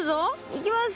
いきます。